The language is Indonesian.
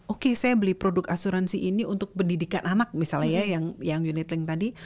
oke saya beli produk asuransi ini untuk pendidikan anak misalnya ya yang unitlink tadi